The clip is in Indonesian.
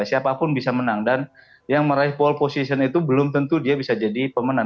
siapapun bisa menang dan yang meraih pole position itu belum tentu dia bisa jadi pemenang